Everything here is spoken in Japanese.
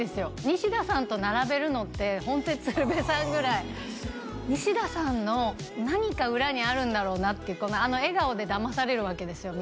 西田さんと並べるのってホントに鶴瓶さんぐらい西田さんの何か裏にあるんだろうなっていうあの笑顔でだまされるわけですよ